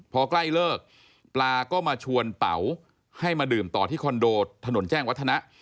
พอใกล้เลิกปลาก็มาชวนเป๋าให้มาดื่มต่อที่คอนโดถนนแจ้งวัฒนะ